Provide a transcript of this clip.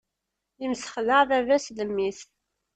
Imsexdeɛ baba-s d mmi-s.